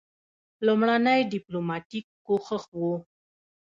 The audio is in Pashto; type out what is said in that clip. لومړنی ډیپلوماټیک کوښښ وو.